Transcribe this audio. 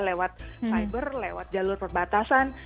lewat cyber lewat jalur perbatasan